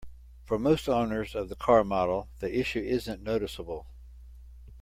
For most owners of the car model, the issue isn't noticeable.